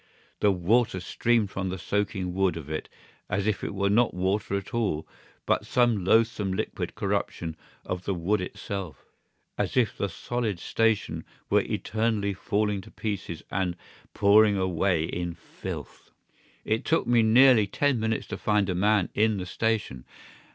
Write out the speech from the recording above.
The water streamed from the soaking wood of it as if it were not water at all, but some loathsome liquid corruption of the wood itself; as if the solid station were eternally falling to pieces and pouring away in filth. It took me nearly ten minutes to find a man in the station.